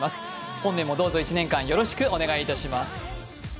本年もどうぞ一年間よろしくお願いいたします。